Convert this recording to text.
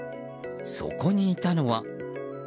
そこにいたのは。